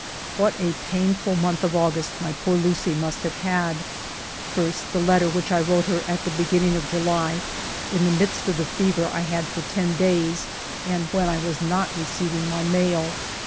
What a painful month of August my poor Lucie must have had ! First, the letter which I wrote her at the beginning of July, in the midst of the fever I had for ten days, and when I was not receiving my mail.